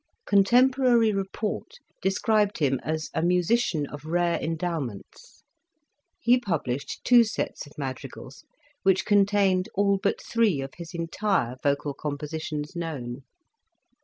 Contemporary report described him as " a musician of rare endow ments." He published two sets of madrigals, which contained all but three of his entire vocal compositions known.